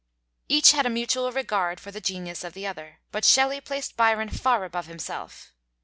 Each had a mutual regard for the genius of the other, but Shelley placed Byron far above himself.